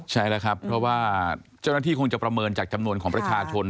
ใช่แล้วครับเพราะว่าเจ้าหน้าที่คงจะประเมินจากจำนวนของประชาชน